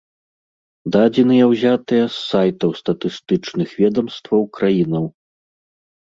Дадзеныя ўзятыя з сайтаў статыстычных ведамстваў краінаў.